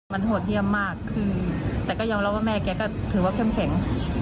มันโหดเยี่ยมมากขึ้นแต่ก็ยอมรับว่าแม่แกก็ถือว่าเข้มแข็ง